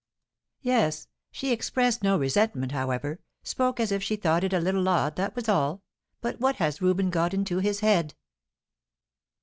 "Yes. She expressed no resentment, however; spoke as if she thought it a little odd, that was all. But what has Reuben got into his head?"